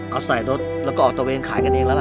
เขาใส่รถแล้วก็ออกตะเวนขายกันเองแล้วล่ะ